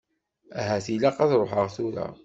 Ahat ilaq ad ṛuḥeɣ tura.